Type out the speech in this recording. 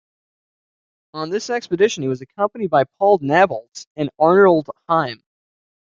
On this expedition he was accompanied by Paul Nabholz and Arnold Heim.